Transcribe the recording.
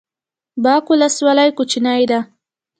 باک ولسوالۍ کوچنۍ ده؟